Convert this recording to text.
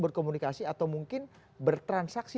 berkomunikasi atau mungkin bertransaksi